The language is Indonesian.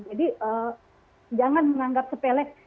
jadi jangan menganggap sepelek